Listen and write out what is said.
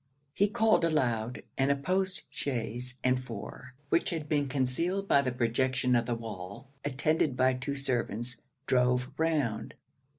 He called aloud, and a post chaise and four, which had been concealed by the projection of the wall, attended by two servants, drove round.